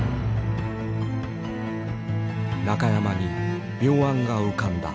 中山に妙案が浮かんだ。